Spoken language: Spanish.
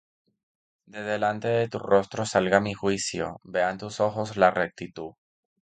De delante de tu rostro salga mi juicio; Vean tus ojos la rectitud.